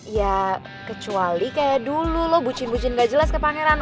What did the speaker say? ya kecuali kayak dulu lo bucin bucin gak jelas ke pangeran